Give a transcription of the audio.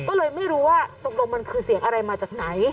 ก็เลยไม่รู้ว่าตกลงมันคือเสียงอะไรมาจากไหน